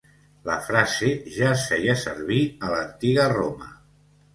La frase ja es feia servir a l'Antiga Roma.